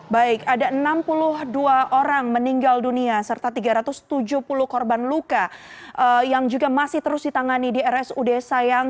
baik ada enam puluh dua orang meninggal dunia serta tiga ratus tujuh puluh korban luka yang juga masih terus ditangani di rsud sayang